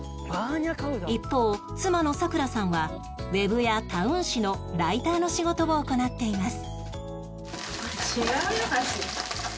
一方妻のさくらさんはウェブやタウン誌のライターの仕事を行っています